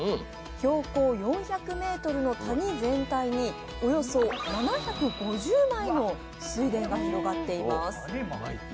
標高４００ｍの谷全体におよそ７５０枚の水田が広がっています。